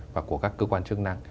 và của các cơ quan chức năng